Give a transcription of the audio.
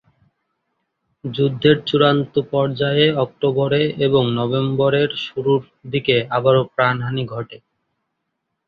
যুদ্ধের চূড়ান্ত পর্যায়ে অক্টোবরে এবং নভেম্বরের শুরুর দিকে আবারো প্রাণহানি ঘটে।